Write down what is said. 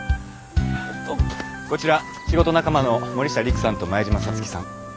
こちら仕事仲間の森下陸さんと前島皐月さん。